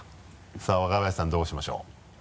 さぁ若林さんどうしましょう？